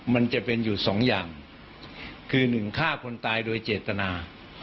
มันจะเป็นอยู่สองอย่างคือหนึ่งฆ่าคนตายโดยเจตนา